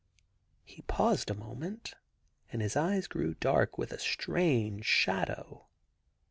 He paused a moment, and his eyes grew dark with a strange shadow.